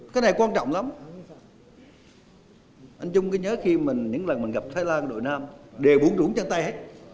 cái này quan trọng lắm anh trung cứ nhớ khi những lần mình gặp thái lan đội nam đề bốn rũn chân tay hết